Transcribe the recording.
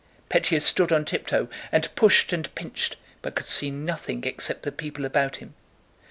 Pétya stood on tiptoe and pushed and pinched, but could see nothing except the people about him.